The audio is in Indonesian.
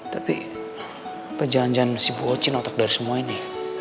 tapi apa jalan jalan si bocin otak dari semua ini